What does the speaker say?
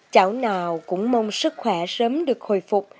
cháu nào cũng mong sức khỏe sớm được hồi phục